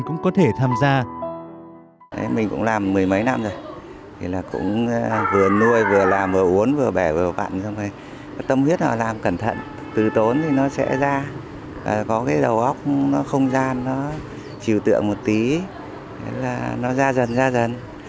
cũng có thể tham gia